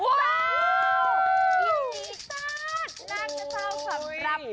ช่วงนี้บ้าเกินนิดหน่อย